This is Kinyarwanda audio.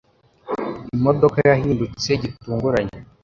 Imodoka yahindutse gitunguranye.